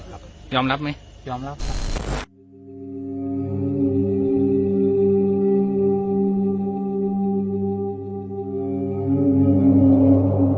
ประกอบกว่าเนี่ยผมอยากได้ลูกชาย